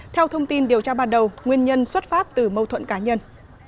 theo thông tin điều tra ban đầu nguyên nhân xuất phát từ mâu thuẫn cá nhân